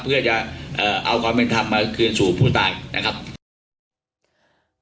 เพื่อจะเอาความเป็นธรรมมาคืนสู่ผู้ตายนะครับ